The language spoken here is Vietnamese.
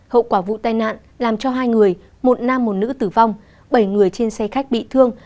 hậu quả vụ tai nạn làm cho hai người một nam một nữ tử vong bảy người trên xe khách bị thương